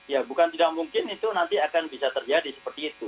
ya bukan tidak mungkin itu nanti akan bisa terjadi seperti itu